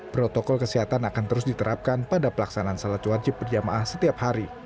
protokol kesehatan akan terus diterapkan pada pelaksanaan salat wajib berjamaah setiap hari